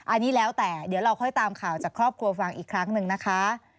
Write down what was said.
อันนี้แล้วแต่เดี๋ยวเราค่อยตามข่าวจากครอบครัวฟังอีกครั้งหนึ่งนะคะ